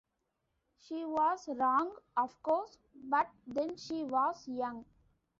She was wrong, of course, but then she was young.